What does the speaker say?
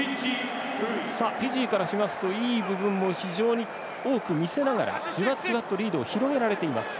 フィジーからしますといい部分も非常に多く見せながらじわじわとリードを広げられています。